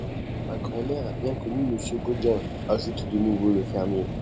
Ma grand'mère a bien connu M. Gauguin, ajoute de nouveau le fermier.